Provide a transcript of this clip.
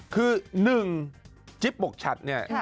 คือหนึ่งจิ๊บปกชัดเนี่ย